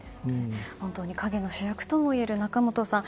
本当に陰の主役ともいえる仲本さん。